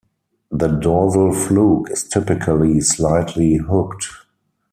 The dorsal fluke is typically slightly hooked.